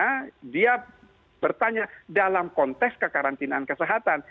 karena waktu itu penanya dia bertanya dalam konteks kekarantinaan kesehatan